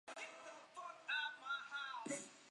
你怎么会有钱买这个？